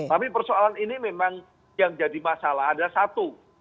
tapi persoalan ini memang yang jadi masalah ada satu